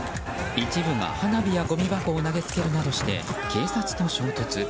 一部が花火やごみ箱を投げつけるなどして警察と衝突。